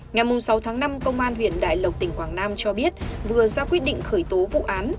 ngày sáu tháng năm công an huyện đại lộc tỉnh quảng nam cho biết vừa ra quyết định khởi tố vụ án